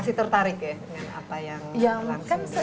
masih tertarik ya dengan apa yang terjadi di indonesia